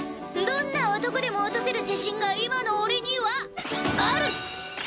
どんな男でも落とせる自信が今の俺にはある！